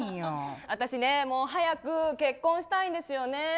私ね、もう早く結婚したいんですよね。